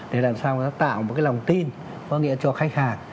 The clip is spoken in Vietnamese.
để làm sao người ta tạo một cái lòng tin có nghĩa cho khách hàng